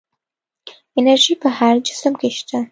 انرژي په هر جسم کې شته.